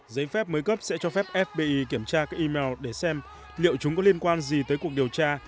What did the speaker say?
giấy phép mới cấp sẽ cho phép fbi kiểm tra các email để xem liệu chúng có liên quan gì tới cuộc điều tra